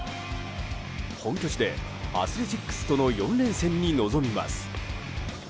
本拠地でアスレチックスとの４連戦に臨みます。